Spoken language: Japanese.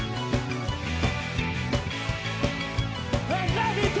「ラヴィット！」